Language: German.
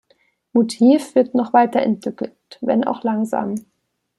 Motif wird noch weiterentwickelt, wenn auch langsam.